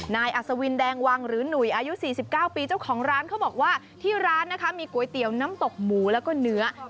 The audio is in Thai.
อัศวินแดงวังหรือหนุ่ยอายุ๔๙ปีเจ้าของร้านเขาบอกว่าที่ร้านนะคะมีก๋วยเตี๋ยวน้ำตกหมูแล้วก็เนื้อ